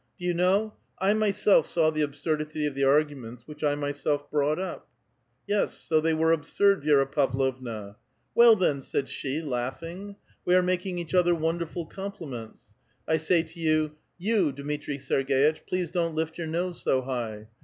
Do you know, I myself saw the absurdity of the arguments which I myself brought up !"'* Yes, so they were absurd, Vi^ra Pavlovna." Well then," said she, laughing, '' we are making each other wonderful compliments. I say to you, ' You, Dmitri Sergei tch, please don't lift your nose so high.'